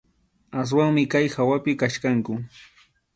Aswanmi kay hawapi kachkanku.